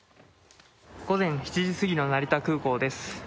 午前７時過ぎの成田空港です。